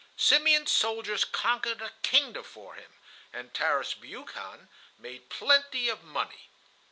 Simeon's soldiers conquered a kingdom for him and Tarras Briukhan made plenty of money.